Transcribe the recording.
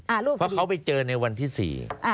เหลือภาคเขาไปเจอในวันที่๔